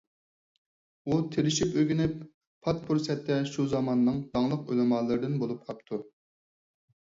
ئۇ تىرىشىپ ئۆگىنىپ، پات پۇرسەتتە شۇ زاماننىڭ داڭلىق ئۆلىمالىرىدىن بولۇپ قاپتۇ.